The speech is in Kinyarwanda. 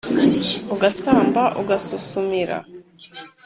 ugasamba ugasusumira